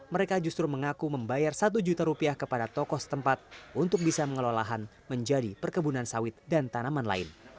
mereka justru mengaku membayar satu juta rupiah kepada tokoh setempat untuk bisa mengelola lahan menjadi perkebunan sawit dan tanaman lain